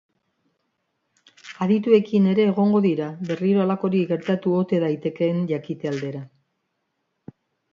Adituekin ere egongo dira, berriro halakorik gertatu ote daitekeen jakite aldera.